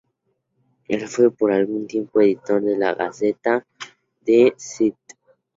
Él fue por algún tiempo editor de la Gaceta de St.